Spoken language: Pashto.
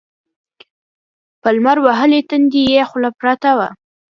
په لمر وهلي تندي يې خوله پرته وه.